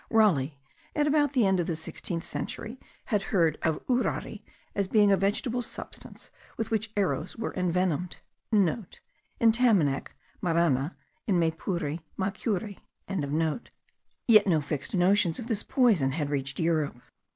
Raleigh, about the end of the sixteenth century, had heard of urari* as being a vegetable substance with which arrows were envenomed (* In Tamanac marana, in Maypure macuri.); yet no fixed notions of this poison had reached Europe.